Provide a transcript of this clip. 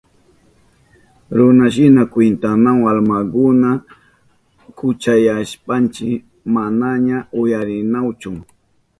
Runashina kwintanahun almakunaka, kuchuyashpanchi manaña uyarinahunchu.